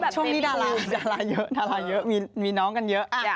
ช่วงนี้ดาราเยอะมีน้องกันเยอะ